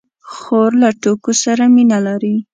خور له ټوکو سره مینه لري.